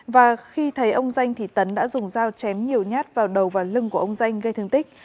và khi thấy ông danh thì tấn đã dùng dao chém nhiều nhát vào đầu và lưng của ông danh gây thương tích